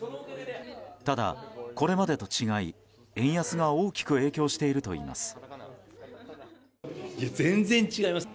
ただ、これまでと違い円安が大きく影響しているといいます。